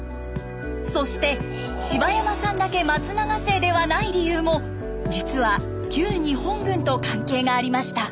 そして柴山さんだけ松永姓ではない理由も実は旧日本軍と関係がありました。